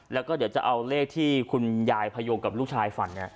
แล้วก็เดี๋ยวจะเอาเลขที่คุณยายพยงกับลูกชายฝัน